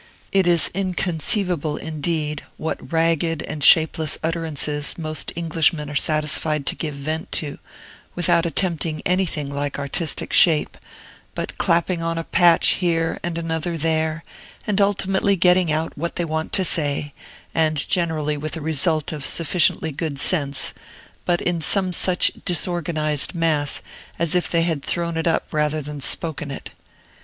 It is inconceivable, indeed, what ragged and shapeless utterances most Englishmen are satisfied to give vent to, without attempting anything like artistic shape, but clapping on a patch here and another there, and ultimately getting out what they want to say, and generally with a result of sufficiently good sense, but in some such disorganized mass as if they had thrown it up rather than spoken it.